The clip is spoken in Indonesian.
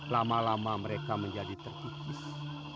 lama lama mereka menjadi terkikis